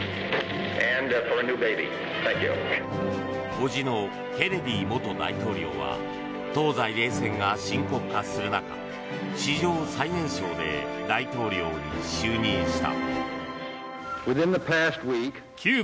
伯父のケネディ元大統領は東西冷戦が深刻化する中史上最年少で大統領に就任した。